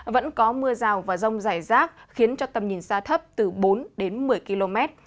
vẫn có mưa rào và rông dài rác khiến cho tầm nhìn xa thấp từ bốn đến một mươi km